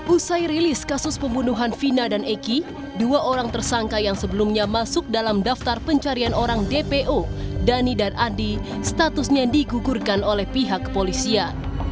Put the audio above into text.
usai rilis kasus pembunuhan vina dan eki dua orang tersangka yang sebelumnya masuk dalam daftar pencarian orang dpo dhani dan andi statusnya digugurkan oleh pihak kepolisian